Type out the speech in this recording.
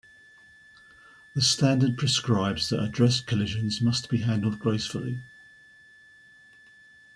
The standard prescribes that address collisions must be handled gracefully.